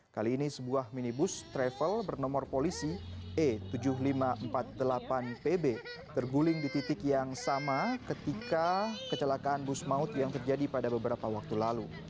kali ini sebuah minibus travel bernomor polisi e tujuh ribu lima ratus empat puluh delapan pb terguling di titik yang sama ketika kecelakaan bus maut yang terjadi pada beberapa waktu lalu